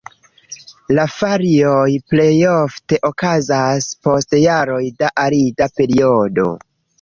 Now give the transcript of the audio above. La fajroj plejofte okazas post jaroj da arida periodo.